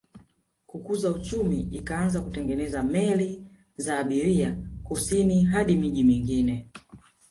Kukuza uchumi ikaanza kutengeneza meli za kuabiria kusini hadi miji mingine